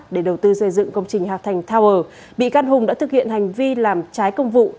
để đầu tư xây dựng công trình hạc thành tower bị can hùng đã thực hiện hành vi làm trái công vụ